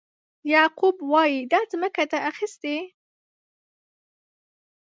یعقوب وایي دا ځمکه ده اخیستې.